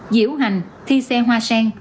diễu hành thi xe hoa sen